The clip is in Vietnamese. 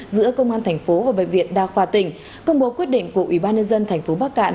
giữa công an thành phố và bệnh viện đa khoa tỉnh công bố quyết định của ủy ban nhân dân tp bắc cạn